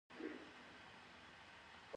دوی انګلیسي ژبه خپره کړه.